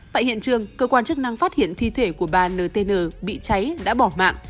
tại hiện trường cơ quan chức năng phát hiện thi thể của bà ntn bị cháy đã bỏ mạng